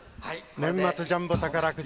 年末ジャンボ宝くじ